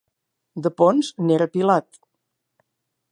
De Ponts, n'era Pilat.